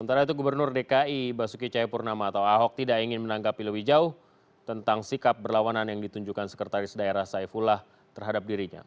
sementara itu gubernur dki basuki cayapurnama atau ahok tidak ingin menanggapi lebih jauh tentang sikap berlawanan yang ditunjukkan sekretaris daerah saifullah terhadap dirinya